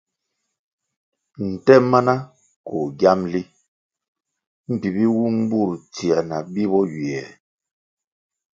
Nte mana koh giamli mbpi bi wum bur tsier na bi bo ywiè.